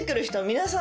皆さん